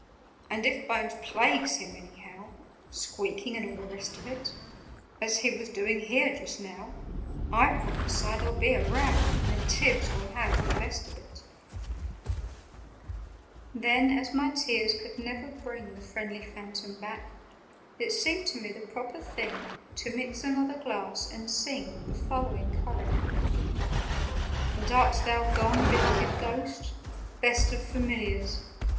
"And if Bones plagues him anyhow— Squeaking and all the rest of it, As he was doing here just now— I prophesy there'll be a row, And Tibbs will have the best of it!" [Picture: And Tibbs will have the best of it] Then, as my tears could never bring The friendly Phantom back, It seemed to me the proper thing To mix another glass, and sing The following Coronach. 'And art thou gone, beloved Ghost? Best of Familiars!